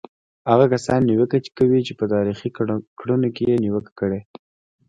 هغه کسان نیوکه کوي چې په تاریخي کړنو کې یې نیوکه کړې.